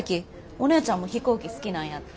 おねえちゃんも飛行機好きなんやって。